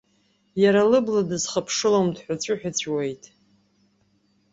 Иара лыбла дызхыԥшылом, дҳәыҵәыҳәыҵәуеит.